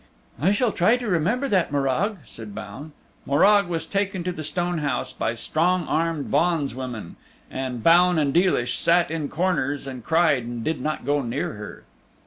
"I shall try to remember that, Morag," said Baun. Morag was taken to the Stone House by strong armed bondswomen, and Baun and Deelish sat in corners and cried and did not go near her.